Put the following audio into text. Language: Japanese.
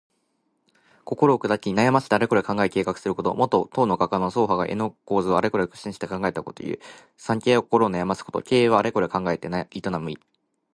心をくだき、悩ましてあれこれ考え計画すること。もと、唐の画家の曹覇が絵の構図をあれこれ苦心して考えたことをいう。「惨憺」は心を悩ますこと。「経営」はあれこれ考えて営む意。